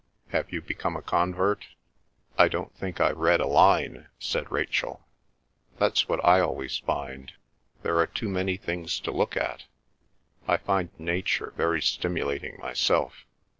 Have you become a convert?" "I don't think I've read a line," said Rachel. "That's what I always find. There are too many things to look at. I find nature very stimulating myself.